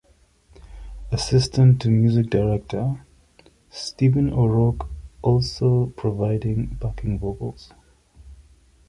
Assistant to Music Director: Stephen O'Rourke also provided backing vocals.